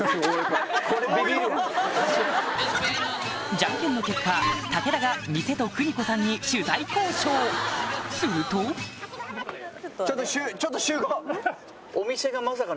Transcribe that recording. じゃんけんの結果武田が店と邦子さんに取材交渉するとハハハ！